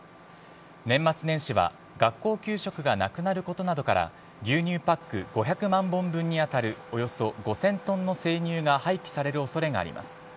年末年始は学校給食がなくなることなどから牛乳パック５００万本分に当たるおよそ５０００ｔの生乳が廃棄される恐れがあります。